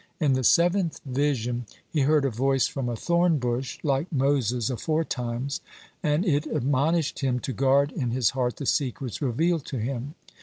In the seventh vision he heard a voice from a thorn bush, like Moses aforetimes, and it admonished him to guard in his heart the secrets revealed to him.